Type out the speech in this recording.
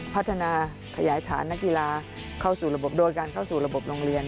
พัฒนาขยายฐานนักกีฬาเข้าสู่ระบบโดยการเข้าสู่ระบบโรงเรียน